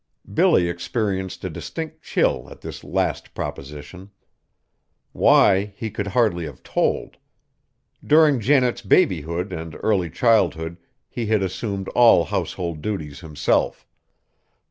Billy experienced a distinct chill at this last proposition. Why, he could hardly have told. During Janet's babyhood and early childhood he had assumed all household duties himself.